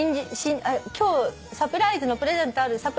今日サプライズのプレゼントある。